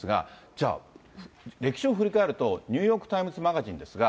じゃあ、歴史を振り返ると、ニューヨーク・タイムズ・マガジンですが。